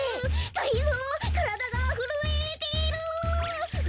がりぞーからだがふるえてるう。